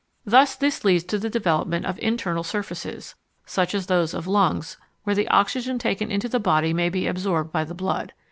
Thus this leads to the development of internal surfaces, such as those of lungs, where the oxygen taken into the body may be absorbed by the blood.